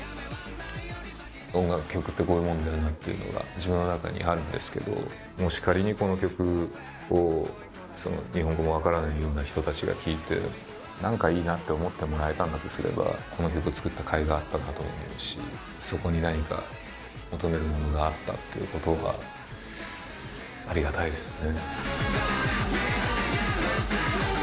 音楽、曲ってこういうもんだよなっていうのが自分の中にあるんですけど、もし仮にこの曲を日本語の分からないような人たちが聴いて、なんかいいなって思ってもらえたんだとすれば、この曲を作ったかいがあったと思えるし、そこに何か求めるものがあったっていうことが、ありがたいですね。